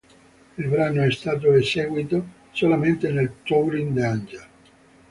Il brano è stato eseguito solamente nel Touring the Angel.